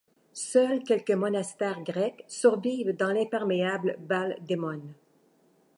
Seuls quelques monastères grecs survivent dans l'imperméable Val Demone.